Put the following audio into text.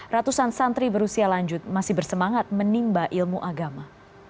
ratusan santri berusia lanjut masih bersemangat menimba ilmu agama